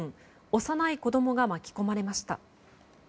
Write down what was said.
幼い子供が巻き込まれました。